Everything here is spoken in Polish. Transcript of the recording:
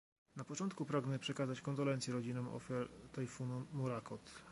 Na początku pragnę przekazać kondolencje rodzinom ofiar tajfunu Morakot